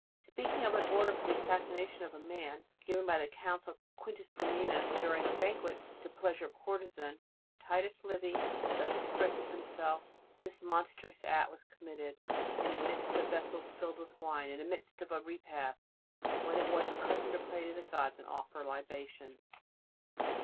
Speak ing of an order for the assassination of a man, given by the Consul Quintius Flaminius during a banquet to please a courtezan, Titus Livy thus expresses himself: "This mon strous act was committed in the midst of vessels filled with wine; in the midst of a repast, when it is the custom to pray to the gods, and offer libations.